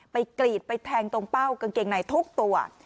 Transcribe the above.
กรีดไปแทงตรงเป้ากางเกงในทุกตัว